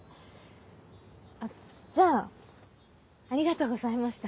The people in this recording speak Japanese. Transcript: じゃあありがとうございました。